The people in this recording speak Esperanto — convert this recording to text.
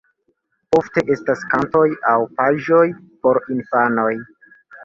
Ofte estas kantoj aŭ paĝoj por infanoj.